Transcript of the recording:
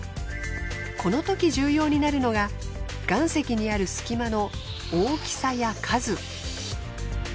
このとき重要になるのが岩石にある隙間の大きさや数。